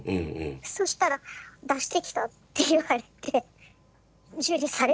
そしたら「出してきた」って言われて受理されて。